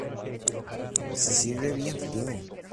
Se sirve bien frío.